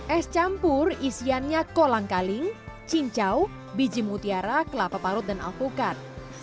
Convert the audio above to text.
es campur isiannya kolang kaling cincau biji mutiara kelapa parut dan alpukat